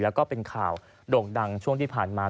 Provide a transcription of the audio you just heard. แล้วก็เป็นข่าวโด่งดังช่วงที่ผ่านมา